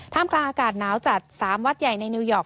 มกลางอากาศหนาวจัด๓วัดใหญ่ในนิวยอร์ก